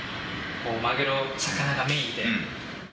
マグロ、魚がメインで。